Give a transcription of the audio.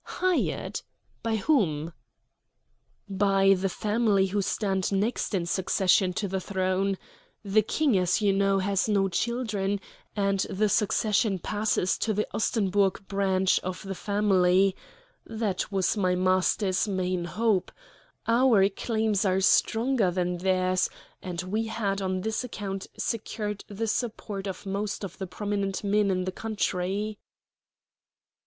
"Hired? By whom?" "By the family who stand next in succession to the throne. The King, as you know, has no children, and the succession passes to the Ostenburg branch of the family. That was my master's main hope. Our claims are stronger than theirs; and we had on this account secured the support of most of the prominent men in the country."